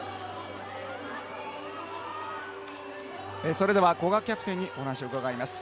それでは古賀キャプテンにお話を伺います。